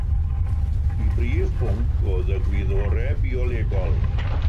Ei brif bwnc oedd Y Gwyddorau Biolegol.